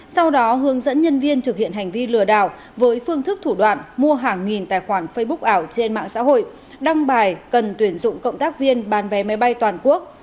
sau đó hướng dẫn nhân viên thực hiện hành vi lừa đảo với phương thức thủ đoạn mua hàng nghìn tài khoản facebook ảo trên mạng xã hội đăng bài cần tuyển dụng cộng tác viên bán vé máy bay toàn quốc